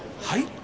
はい？